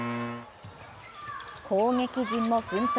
攻撃陣も奮闘。